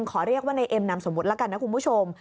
ขอเรียกว่าในเอ็มนามสมมุติแล้วกันนะคุณผู้ชม